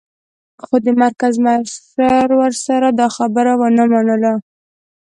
خو د مرکز مشر ورسره دا خبره و نه منله